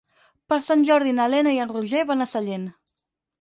Per Sant Jordi na Lena i en Roger van a Sellent.